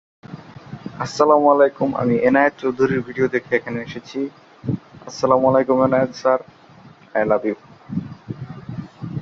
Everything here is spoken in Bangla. সুতরাং চাহিদা, উদ্দেশ্য এবং ইচ্ছা একটি প্রাণীর সহায়ক কারণ এতে সে পরিকল্পনা করে বা এই লক্ষ্যে সাধন করার প্রচেষ্টা করে।